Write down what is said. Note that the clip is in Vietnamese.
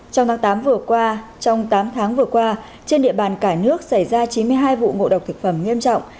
trong tháng tám vừa qua trong tám tháng vừa qua trên địa bàn cả nước xảy ra chín mươi hai vụ ngộ độc thực phẩm nghiêm trọng